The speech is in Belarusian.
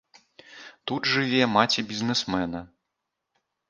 Тут жыве маці бізнэсмена.